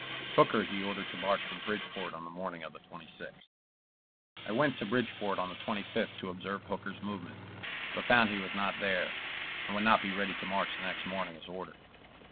Hooker he ordered to march from Bridgeport on the morning of the 26th. I went to Bridgeport on the 25th to observe Hooker's movement, but found he was not there, and would not be ready to march the next morning as ordered.